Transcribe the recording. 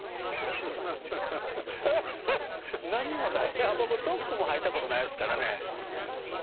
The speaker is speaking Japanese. だから僕ドックも入ったことないですからね。